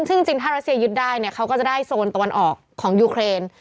ซึ่งจริงถ้ารัสเซียยึดได้เนี่ยเขาก็จะได้โซนตะวันออกของยูเครน